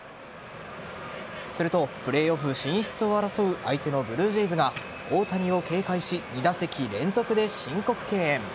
すると、プレーオフ進出を争う相手のブルージェイズが大谷を警戒し２打席連続で申告敬遠。